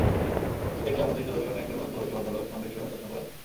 কিন্তু দেখলাম অতি সুদর্শন একজন মধ্যবয়সী ভদ্রলোক, সোনালি ফ্রেমের চশমা পরে আছেন।